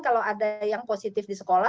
kalau ada yang positif di sekolah